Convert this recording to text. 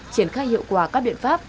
triển khai hiệu quả các biện pháp